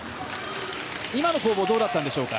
今の攻防はどうだったんでしょうか？